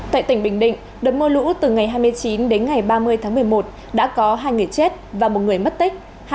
tại tỉnh bình định đợt mưa lũ từ ngày hai mươi chín đến ngày ba mươi tháng một mươi một đã có hai người chết và một người mất tích